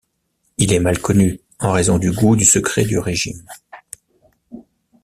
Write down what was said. Il est mal connu, en raison du goût du secret du régime.